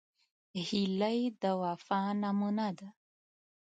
هیلۍ د وفا نمونه ده